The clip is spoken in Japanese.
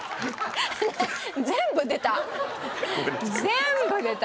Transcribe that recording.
全部出た！